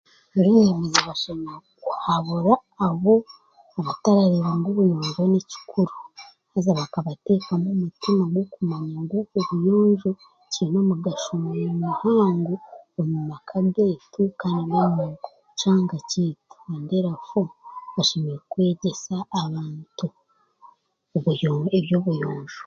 Abeebembezi bashemereire kuhaburwa ahu batarareeba ngu obuyonjo ni kikuru haza bakabateekamu omutima gw'okumanya ngu obuyonjo kiine omugasho muhango omu maka geetu kandi n'omu kyanga kyaitu and therefore oshemereire kwegyesa abantu obuyo eby'obuyonjo